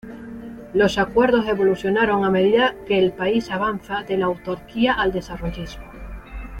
Los acuerdos evolucionaron a medida que el país avanza de la autarquía al desarrollismo.